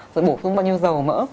rồi bổ sung bao nhiêu dầu mỡ